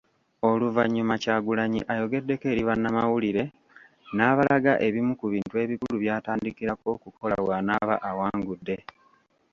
Oluvannyuma Kyagulanyi ayogeddeko eri bannamawulire n'abalaga ebimu ku bintu ebikulu by'atandikirako okukola bwanaaba awangudde.